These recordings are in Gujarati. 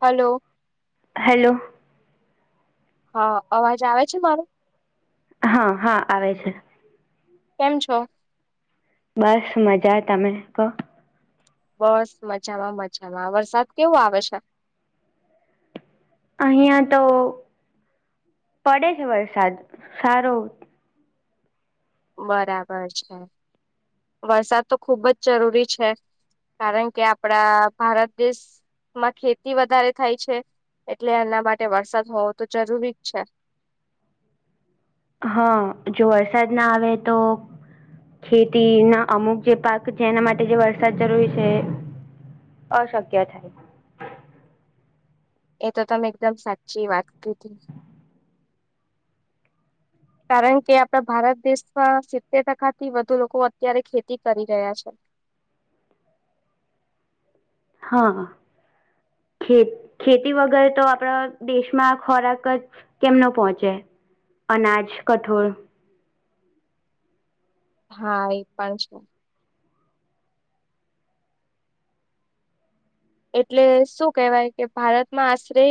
હલો હલો હા અવાજ આવે છે મારો હા હા આવે છે. કેમ છો. બસ મજા તમે કહો બસ મજામાં મજામાં વરસાદ કેવું આવે છે. અહિયાં તો પડે છે વરસાદ સારો બરાબર છે વરસાદ તો ખુબ જ જરૂરી છે. કારણ કે આપડા ભારત દેશ માં ખેતી વધારે થાય છે એટલે એના માટે વરસાદ હોવો તો જરૂરી જ છે. હા જો વરસાદ ના આવે તો? ખેતી ના અમુક જે પાક છે એના માટે જે વરસાદ જરૂરી છે. અશક્ય થાય. એ તો તમે એકદમ સાચી વાત કીધી. કારણ કે આપડા ભારત દેશમાં સિત્તેર ટકા થી વધુ લોકો અત્યારે ખેતી કરી રહ્યા છે. હા ખે ખેતી વગર તો આપણા દેશમાં ખોરાક જ કેમ નુ પહોંચે અનાજ કઠોળ હા એ પણ શુ એટલે શું કેહેવાય કે ભારતમાં આશરે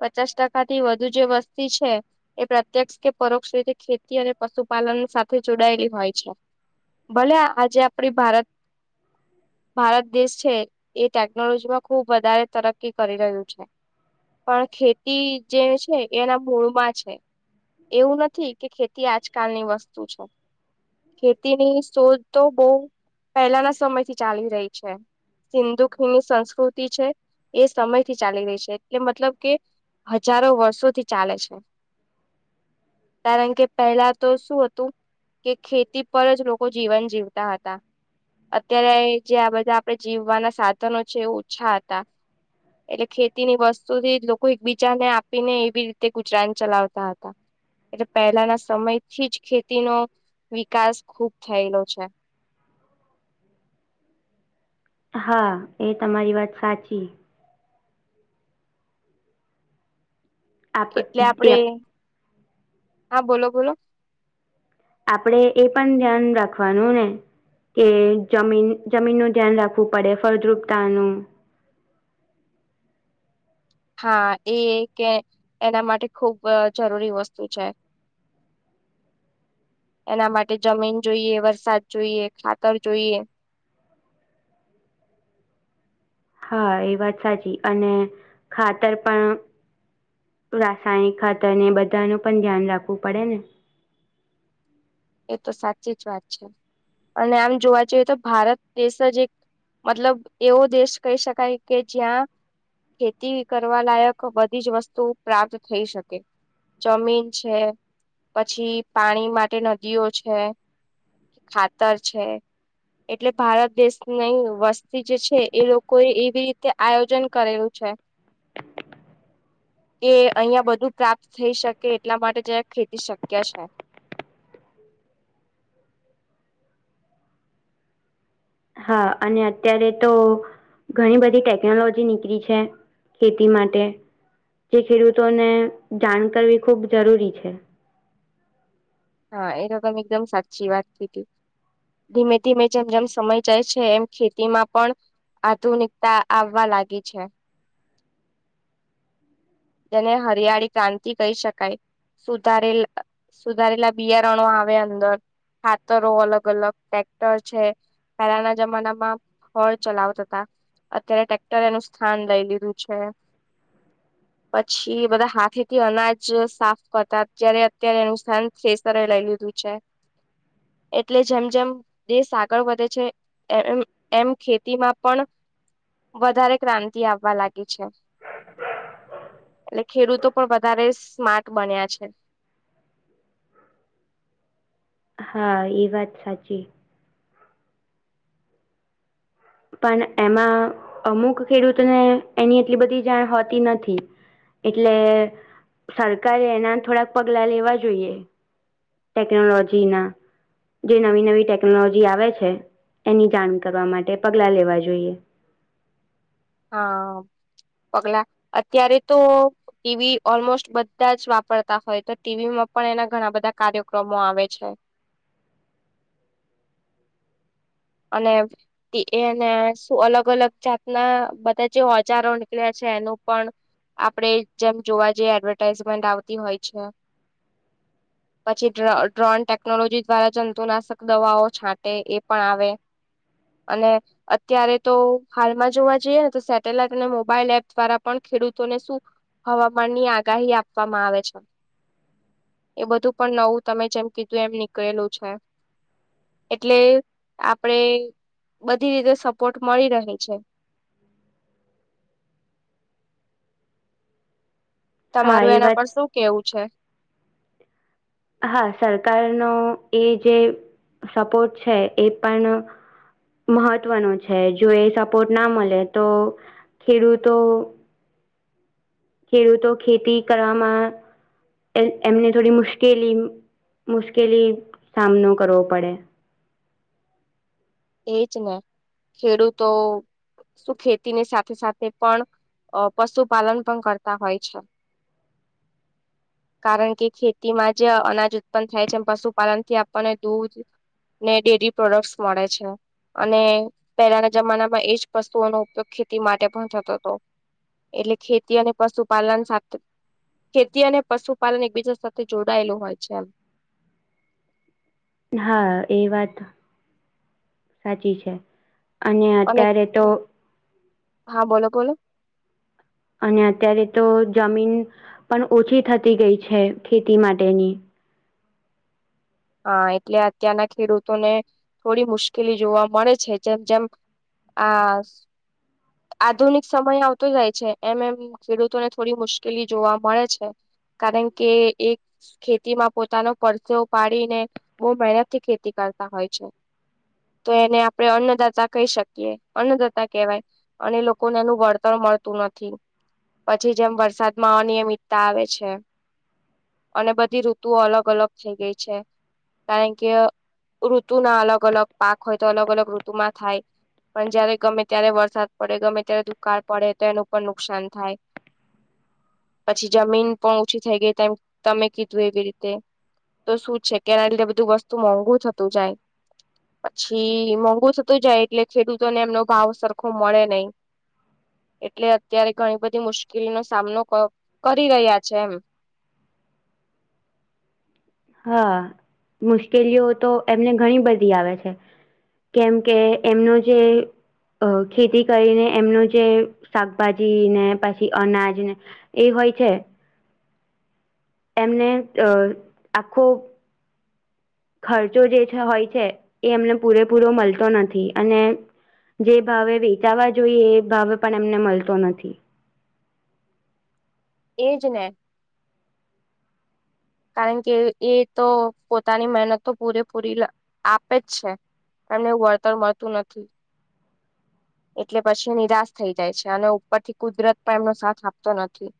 પચાસ ટકા થી વધુ જે વસ્તી છે. એ પ્રત્યક્ષ કે પરોક્ષ રીતે ખેતી અને પશુપાલન સાથે જોડાયેલી હોય છે. ભલે આજે આપડી ભારત ભારત દેશ છે એ ટેકનોલોજી માં ખુબ વધારે તરકી કરી રહ્યું છે. પણ ખેતી જે છે એના મૂળમાં છે. એવું નથી કે ખેતી આજકાલ ની વસ્તુ છે. ખેતીની શોધ તો બહ પહેલાના સમય થી ચાલી રહી છે. હિન્દ ની સંસ્કૃતિ છે એ સમયથી ચાલી રહી છે એટલે મતલબ કે હજારો વર્ષોથી ચાલે છે. કારણ કે પહેલા તો શું હતું. કે ખેતી પર જ લોકો જીવન જીવતા હતા. અત્યારે જે આ બધા આપડે જીવવાના સાધનો છે એ ઓછા હતા. એટલે ખેતીની વસ્તુથી લોકો એકબીજાને આપી ને એવી રીતે ગુજરાન ચલાવતા હતા. એટલે પહેલાના સમયથી જ ખેતીનો વિકાસ ખુબ થયેલો છે. હા એ તમારી વાત સાચી. આપ એટલે આપડે હા બોલો બોલો આપણેે એ પણ ધ્યાન રાખવાનું ને કે જમીન જમીનનું ધ્યાન રાખવું પડે ફળદ્રુપતાનું હા એ કે એના માટે ખુબ જરૂરી વસ્તુ છે. હ [inaudible] એના માટે જમીન જોઈએ વરસાદ જોઈએ ખાતર જોઈએ હા એ વાત સાચી અને ખાતર પણ રાસાયણિક ખાતર ને એ બધા ન પણ ધ્યાન રાખવું પડે ને એ તો સાચી જ વાત છે અને આમ જોવા જઈએ તો ભારત દેશ જ એક મતલબ એવો દેશ કહી શકાય કે જ્યાં ખેતી કરવા લાયક બધી જ વસ્તુ પ્રાપ્ત થઈ શકે. જમીન છે, પછી પાણી માટે નદીઓ છે, ખાતર છે, એટલે ભારત દેશની વસ્તી જે છે એ લોકોએ એવી રીતે આયોજન કરેલું છે. [unintelligible] [inaudible] [inaudible] એ અહિયાં બધું પ્રાપ્ત થઈ શકે એટલા માટે જ ખેતી શક્ય છે. હા અને અત્યારે તો ઘણી બધી ટેકનોલોજી નીકળી છે. ખેતી માટે જે ખેડૂતોને જાણ કરવી ખૂબ જરૂરી છે. હા એ તો તમે એકદમ સાચી વાત કિધી. ધીમે ધીમે જેમ જેમ સમય જાય છે એમ ખેતીમાં પણ આધુનિકતા આવવા લાગી છે. જેને હરિયાળી ક્રાંતિ કહી શકાય સુધારેલા સુધારેલા બિયારણો આવે અંદર, ખાતરો અલગ અલગ, ટ્રેક્ટર છે, પહેલાના જમાનામાં હડ ચલાવતા હતા. અત્યારે ટ્રેક્ટર એનું સ્થાન લઈ લીધું છે. પછી બધા હાથેથી અનાજ સાફ કરતા અત્યારે અત્યારે એનું સ્થાન ખેસરે લઈ લીધું છે એટલે જેમ જેમ દેશ આગળ વધે છે. એ એમ એમ ખેતીમાં પણ વધારે ક્રાંતિ આવવા લાગી છે. એટલે ખેડૂતો પણ વધારે સ્માર્ટ બન્યા છે. હા એ વાત સાચી પણ એમાં અમુક ખેડૂતોને એની એટલી બધી જાણ હોતી નથી. એટલે સરકારે એના થોડાક પગલા લેવા જોઈએ. ટેકનોલોજીના જે નવી નવી ટેકનોલોજી આવે છે એની જાણ કરવા માટે પગલાં લેવા જોઈએ. હા પગલા અત્યારે તો ટીવી ઓલમોસ્ટ બધા જ વાપરતા હોય તો ટીવી માં પણ એના ઘણા બધા કાર્યક્રમો આવે છે. અને એને શું અલગ અલગ જાતના બધા જે ઓજારો નીકળ્યા છે એનું પણ આપણેે જેમ જોવા જઈએ એડવર્ટાઈઝમેન્ટ આવતી હોય છે. પછી ડ્રો ડ્રોન ટેકનોલોજી દ્વારા જંતુનાશક દવાઓ છાંટે એ પણ આવે, અને અત્યારે તો હાલમાં જોવા જઈએ ને તો સેટેલાઈટ અને મોબાઈલ એપ દ્વારા પણ ખેડૂતોને શું હવામાનની આગાહી આપવામાં આવે છે. એ બધું પણ નવું તમે જેમ કીધું એમ નીકળેલું છે. એટલે આપડે બધી રીતે સપોર્ટ મળી રહે છે. હા તમારું એ એના વાત પર શું કેવું છે. હા સરકારનો એ જે સપોર્ટ છે એ પણ મહત્વનું છે, જો એ સપોર્ટ ના મળે તો ખેડૂતો ખેડૂતો ખેતી કરવામાં એ એમને થોડી મુશ્કેલી મુશ્કેલી સામનો કરવો પડે. એજ ને ખેડૂતો. શું ખેતીની સાથે સાથે પણ અ પશુપાલન પણ કરતા હોય છે. [inaudible] [inaudible] [inaudible] કારણ કે ખેતીમાં જે અનાજ ઉત્પન્ન થાય છે, પશુપાલન થી આપણને દૂધ ને ડેરી પ્રોડક્ટસ મળે છે‌. અને પહેલાના જમાનામાં એજ પશુઓનો ઉપયોગ ખેતી માટે પણ થતો હતો. એટલે ખેતી અને પશુપાલન સાથે ખેતી અને પશુપાલન એકબીજા સાથે જોડાયેલું હોય છે એમ હા એ વાત સાચી છે અને અત્યારે તો હા બોલો બોલો અને અત્યારે તો જમીન પણ ઓછી થતી ગઈ છે ખેતી માટેની હા એટલે અત્યારના ખેડૂતોને થોડી મુશ્કેલી જોવા મળે છે જેમ જેમ આ આધુનિક સમય આવતો જાય છે એમ એમ ખેડૂતોને થોડી મુશ્કેલી જોવા મળે છે. કારણ કે એક ખેતીમાં પોતાનો પરચો પાડીને બહુ મહેનત થી ખેતી કરતા હોય છે. તો એને આપડણે અન્નદાતા કહી શકીએ અન્નદાતા કહેવાય અને લોકોને એનું વળતર મળતું નથી પછી જેમ વરસાદ માં અનિયમિતતા આવે છે. અને બધી ઋતુઓ અલગ અલગ થઈ ગઈ છે કારણ કે ઋતુ ના અલગ અલગ પાક હોય તો અલગ અલગ ઋતુમાં થાય પણ જયારે ગમે ત્યારે વરસાદ પડે ગમે ત્યારે દુકાળ પડે તો એનું પણ નુકસાન થાય પછી જમીન પણ ઓછી થઇ ગઈ તેમ તમે કીધું એવી રીતે તો શું છે કેના લીધે બધું વસ્તુ મોંઘું થતું જાય પછી મોંઘુ થતું જાય એટલે ખેડૂતોને એમનો ભાવ સરખો મળે નહી એટલે અત્યારે ઘણી બધી મુશ્કેલી નો સામનો કરી રહ્યા છે એમ હા મુશ્કેલીઓ તો એમને ઘણી બધી આવે છે. કેમ કે એમનો જે અ ખેતી કરીને એમનું જે શાકભાજી ને પછી અનાજ ને એ હોય છે. એમને આખો ખર્ચો જે છે હોય છે એ અમને પૂરેપૂરો મળતો નથી અને જે ભાવે વેચાવા જોઈએ એ ભાવે પણ એમને મળતો નથી એ જને કારણ કે એ તો પોતાની મહેનત તો પૂરેપૂરી આપે જ છે. એમને એવું વળતર મળતું નથી એટલે પછી નિરાશ થઈ જાય છે અને ઉપર થી કુદરત પણ એમનો સાથ આપતો નથી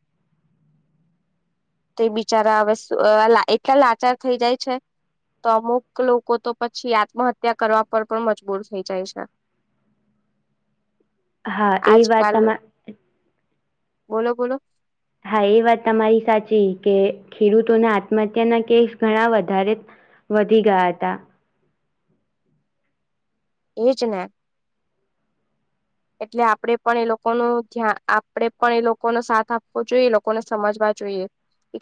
તે બિચારા હવે એટલા લાચાર થઈ જાય છે. તો અમુક લોકો તો પછી આત્મહત્યા કરવા પર પણ મજબૂર થઈ જાય છે. હા એ આજ વાત કાલ તમા બોલો બોલો હા એ વાત તમારી સાચી કે ખેડૂતોના આત્મહત્યાના કેસ ઘણા વધારે વધી ગયા હતા. એજ ને એટલે આપણેે પણ એ લોકોનું ધ્યા આપડે પણ એ લોકોનો સાથ આપવો જોઈએ એ લોકોને સમજવા જોઈએ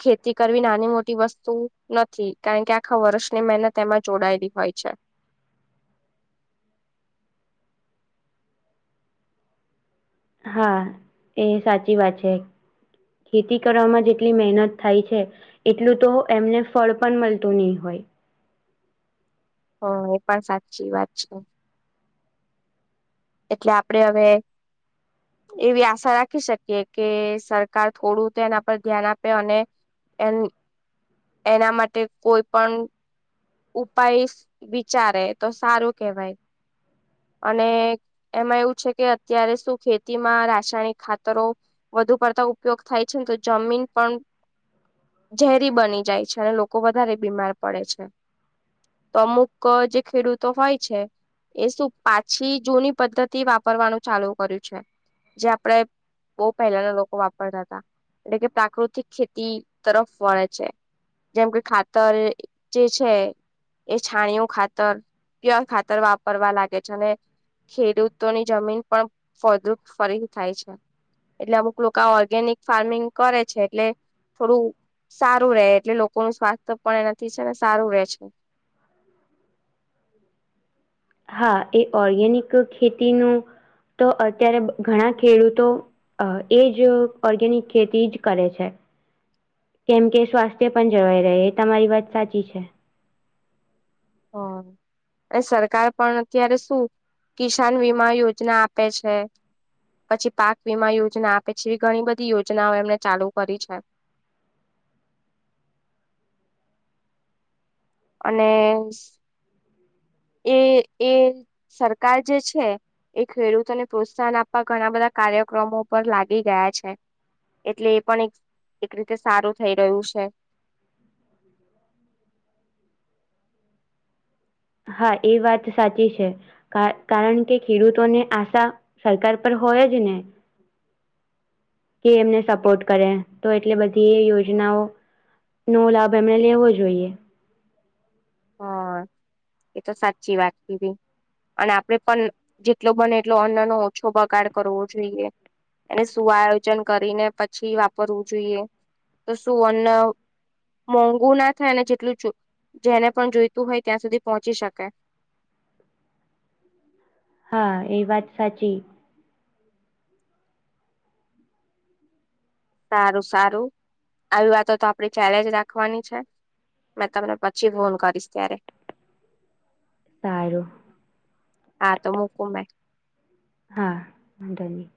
ખેતી કરવી નાની મોટી વસ્તુ નથી કારણ કે આખા વર્ષની મહેનત એમાં જોડાયેલી હોય છે. હા એ સાચી વાત છે. ખેતી કરવામાં જેટલી મહેનત થાય છે. એટલું તો એમને ફળ પણ મળતું નહી હોય હ એ પણ સાચી વાત છે. એટલે આપડે હવે એવી આશા રાખી શકીએ કે સરકાર થોડું તે એના પર ધ્યાન આપે અને એ એના માટે કોઈ પણ ઉપાય વિચારે તો સારું કેહેવાય અને એમાં એવું છે કે અત્યારે શું ખેતીમાં રાસાયણિક ખાતરો વધુ પડતા ઉપયોગ થાય છે ને તો જમીન પણ ઝેરી બની જાય છે અને લોકો વધારે બીમાર પડે છે. અમુક જે ખેડૂતો હોય છે એ શું પાછી જૂની. પદ્ધતિ વાપરવાનું ચાલુ કર્યું છે જે આપડે. બહ પહેલાના લોકો વાપરતા હતા એટલે કે પ્રાકૃતિક ખેતી તરફ વળે છે. જેમ કે ખાતર જે છે. એ છાણિયું ખાતર પ્યોર ખાતર વાપરવા લાગે છે અને. ખેડૂતોની જમીન પણ ફુ ફરી થાય છે. એટલે અમુક લોકો આ ઓર્ગેનિક ફાર્મિંગ કરે છે એટલે થોડું સારું રહેે એટલે લોકોનું સ્વાસ્થ પણ એનાથી છે ને સારું રહેે છે. [inaudible] હા એ ઓર્ગેનિક ખેતીનું તો અત્યારે ઘણા ખેડૂતો. અ એ જ ઓર્ગેનિક ખેતી જ કરે છે. કેમ કે સ્વાસ્થ્ય પણ જળવાઈ રહે એ તમારી વાત સાચી છે. હા. અને સરકાર પણ અત્યારે શું કિસાન વીમા યોજના આપે છે. પછી પાક વીમા યોજના આપે છે એવી ઘણી બધી યોજનાઓ એમને ચાલુ કરી છે. અને. એ એ સરકાર જે છે. એ ખેડૂતોને પ્રોત્સાહન આપવા ઘણા બધા કાર્યક્રમો પર લાગી ગયા છે. એટલે એ પણ એક એક રીતે સારું થઈ રહ્યું છે. હા એ વાત સાચી છે. કારણ કે ખેડૂતોને આશા સરકાર પર હોય જ ને. કે એમને સપોર્ટ કરે તો એટલે બધી એ યોજનાઓ. નો લાભ એમને લેવો જોઈએ. હા એ તો સાચી વાત કીધી અને આપડે પણ જેટલો બને એટલો અન્ન ન ઓછો બગાડ કરવો જોઈએ. એને શું આયોજન કરીને પછી વાપરવું જોઈએ તો શું અન્ન. મોંઘુ ના થાય અને જેટલું જો જેને પણ જોઈતું હોય ત્યાં સુધી પહોંચી શકે. હા એ વાત સાચી. સારું સારું આવી વાતો તો આપડી ચાલેજ રાખવાની છે. મેં તમને પછી ફોન કરીશ ત્યારે. સારૂ હા તો મૂકું મેં. હા વાધો નહી.